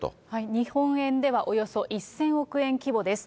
日本円ではおよそ１０００億円規模です。